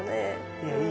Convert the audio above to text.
いやいい。